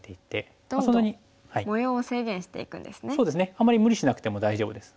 あんまり無理しなくても大丈夫です。